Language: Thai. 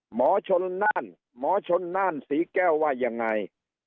หมอชนน่านหมอชนน่านศรีแก้วว่ายังไง